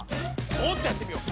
もっとやってみよう！